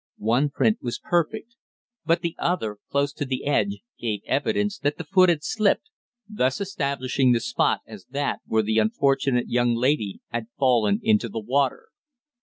One print was perfect, but the other, close to the edge, gave evidence that the foot had slipped, thus establishing the spot as that where the unfortunate young lady had fallen into the water.